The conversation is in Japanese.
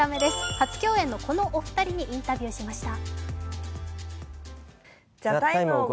初共演のこのお二人にインタビューしました。